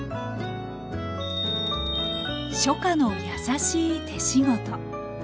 「初夏のやさしい手仕事」。